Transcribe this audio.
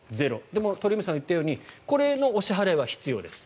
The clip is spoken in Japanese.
でも鳥海さんが言ったようにこれのお支払いは必要です。